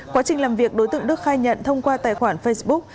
quá trình làm việc đối tượng đức khai nhận thông qua tài khoản facebook